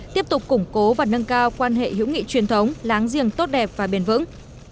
tiếp tục củng cố và nâng cao quan hệ hữu nghị truyền thống láng giềng tốt đẹp và bền vững